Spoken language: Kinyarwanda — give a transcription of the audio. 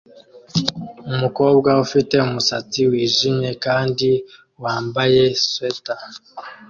Umukobwa ufite umusatsi wijimye kandi wambaye swater